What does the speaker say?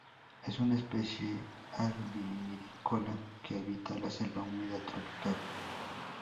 Es una especie arborícola que habita la selva húmeda tropical.